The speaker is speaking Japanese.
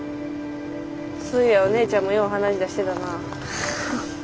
そういやお姉ちゃんもよう鼻血出してたな。